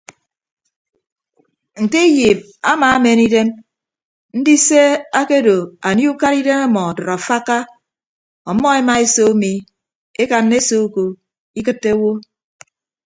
Nte iyiip amaamen idem ndise akedo anie ukaraidem ọmọ ọdʌd afakka ọmmọ emaese umi ekanna ese uko ikịtte owo.